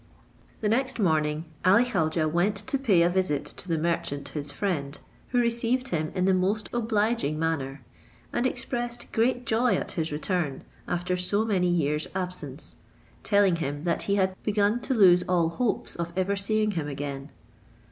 The next morning Ali Khaujeh went to pay a visit to the merchant his friend, who received him in the most obliging manner; and expressed great joy at his return, after so many years absence; telling him, that he had begun to lose all hopes of ever seeing him again.